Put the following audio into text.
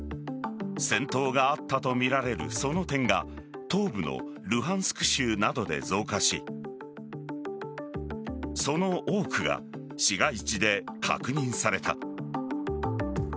戦闘があったとみられるその点が東部のルハンスク州などで増加しその多くが市街地で確認された。